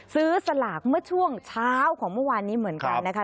สลากเมื่อช่วงเช้าของเมื่อวานนี้เหมือนกันนะคะ